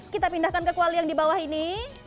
kita pindahkan ke kuali yang di bawah ini